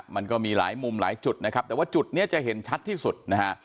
มันก็มีหลายมุมหลายจุดนะครับแต่ว่าจุดนี้จะเห็นชัดที่สุดนะฮะ